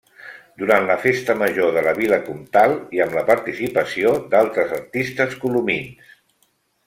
Durant la Festa Major de la Vila Comtal i amb la participació d'altres artistes colomins.